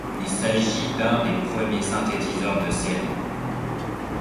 Il s'agit d'un des premiers synthétiseurs de série.